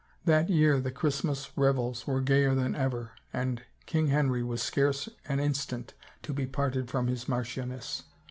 That year the Christmas revels were gayer than ever and King Henry was scarce an instant to be parted from his marchioness.